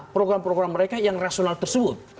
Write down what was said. program program mereka yang rasional tersebut